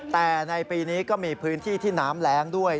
แต่ในปีนี้ก็มีพื้นที่ที่น้ำแรงด้วย